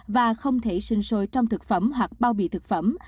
và không thể sinh sôi trong thực phẩm hoặc bao bì thực phẩm